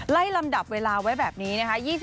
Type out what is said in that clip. ลำดับเวลาไว้แบบนี้นะคะ